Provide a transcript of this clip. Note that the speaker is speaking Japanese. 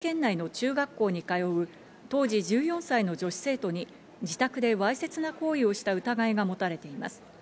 容疑者は２０１８年、当時勤務していた栃木県内の中学校に通う当時１４歳の女子生徒に自宅でわいせつな行為をした疑いが持たれています。